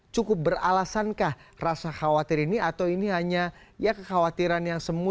cukup beralasankah rasa khawatir ini atau ini hanya ya kekhawatiran yang semua